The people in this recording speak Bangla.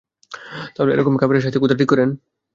তাহলে এরকম কাফিরের শাস্তি খোদা ঠিক করেন!